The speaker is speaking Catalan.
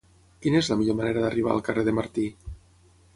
Quina és la millor manera d'arribar al carrer de Martí?